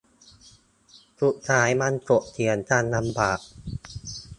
สุดท้ายมันถกเถียงกันลำบาก